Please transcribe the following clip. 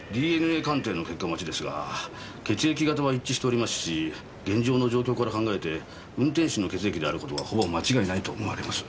ＤＮＡ鑑定の結果待ちですが血液型は一致しておりますし現場の状況から考えて運転手の血液である事はほぼ間違いないと思われます。